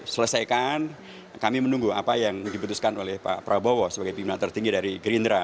selesaikan kami menunggu apa yang dibutuhkan oleh pak prabowo sebagai pimpinan tertinggi dari gerindra